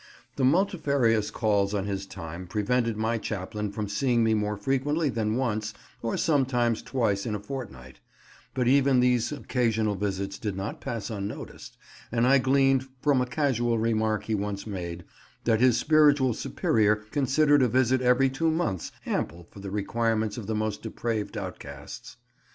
The multifarious calls on his time prevented my chaplain from seeing me more frequently than once or sometimes twice in a fortnight; but even these occasional visits did not pass unnoticed, and I gleaned, from a casual remark he once made, that his spiritual superior considered a visit every two months ample for the requirements of the most depraved outcasts.